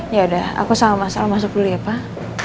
ya udah aku sama salah masuk dulu ya pak